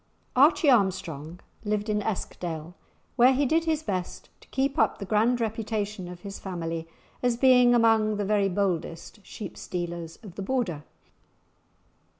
Archie Armstrong lived in Eskdale, where he did his best to keep up the grand reputation of his family as being among the very boldest sheep stealers of the Border.